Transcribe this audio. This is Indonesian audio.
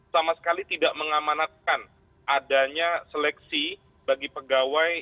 sama sekali tidak mengamanatkan adanya seleksi bagi pegawai